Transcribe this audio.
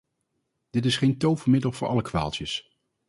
Dit is geen tovermiddel voor alle kwaaltjes.